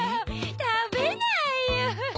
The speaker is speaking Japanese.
たべないよ。